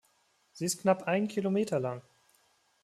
Sie ist knapp einen Kilometer lang.